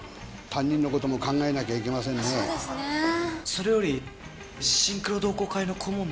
それよりシンクロ同好会の顧問の件は。